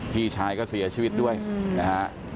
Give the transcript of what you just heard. พี่ชายก็เสียชีวิตด้วยนะฮะ